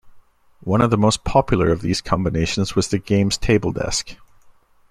One of the most popular of these combinations was the games table desk.